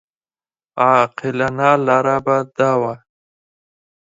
عاقلانه لاره به دا وه.